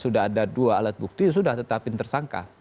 sudah ada dua alat bukti sudah tetapin tersangka